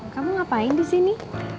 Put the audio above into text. kamu ngapain disini